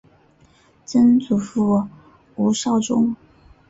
曾祖父吴绍宗。